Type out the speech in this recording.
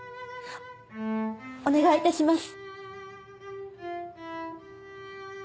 お願いいたします。